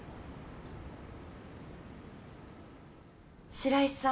白石さん